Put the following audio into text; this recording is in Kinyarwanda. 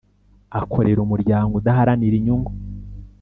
Akorera Umuryango udaharanira inyungu